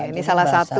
ini salah satu